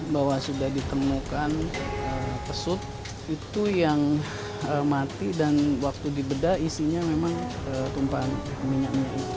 bahwa sudah ditemukan pesut itu yang mati dan waktu dibedah isinya memang tumpahan minyaknya itu